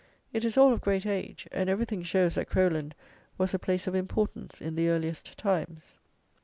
It is all of great age; and everything shows that Crowland was a place of importance in the earliest times.